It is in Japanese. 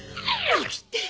起きてー！